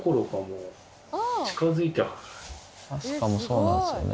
明日香もそうなんですよね